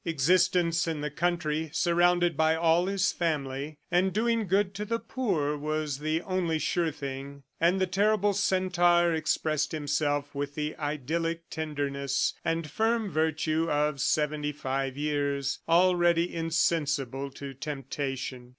Existence in the country, surrounded by all his family and doing good to the poor was the only sure thing. And the terrible centaur expressed himself with the idyllic tenderness and firm virtue of seventy five years, already insensible to temptation.